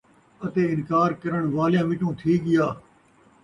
اَتے انکار کرݨ والیاں وِچوں تِھی ڳیا ۔